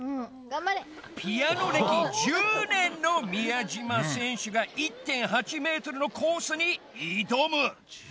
ピアノれき１０ねんの宮島せんしゅが１．８メートルのコースにいどむ！